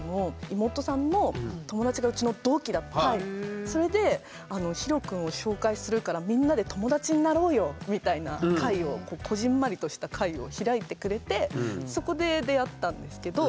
たまたまそのそれでひろ君を紹介するから「みんなで友達になろうよ」みたいな会をこぢんまりとした会を開いてくれてそこで出会ったんですけど。